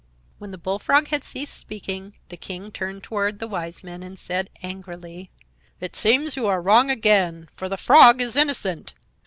When the Bullfrog had ceased speaking the King turned toward the Wise Men and said, angrily: "It seems you are wrong again, for the Frog is innocent.